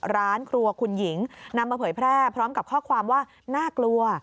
ร้านครัวคุณหญิงนำมาเผยแพร่พร้อมกับข้อความว่าน่ากลัว